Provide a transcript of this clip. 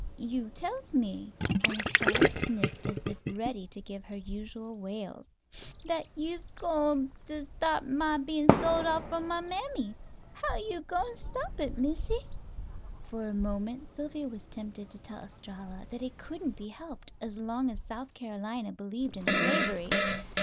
"You tells me," and Estralla sniffed as if ready to give her usual wails, "that you'se gwine to stop my bein' sold off from my mammy. How you gwine to stop it, Missy?" For a moment Sylvia was tempted to tell Estralla that it couldn't be helped, as long as South Carolina believed in slavery.